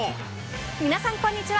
皆さん、こんにちは。